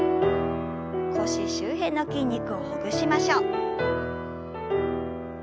腰周辺の筋肉をほぐしましょう。